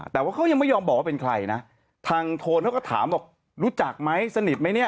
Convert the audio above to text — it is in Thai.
แต่ว่าเขายังไม่ยอมบอกว่าเป็นใครนะทางโทนเขาก็ถามบอกรู้จักไหมสนิทไหมเนี่ย